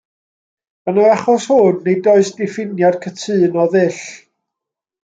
Yn yr achos hwn, nid oes diffiniad cytûn o ddull.